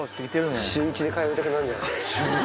週１で通いたくなるんじゃない？